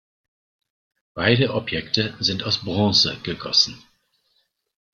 Beide Objekte sind aus Bronze gegossen.